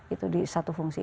itu di satu fungsi